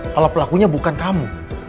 kalau pelakunya bukan kamu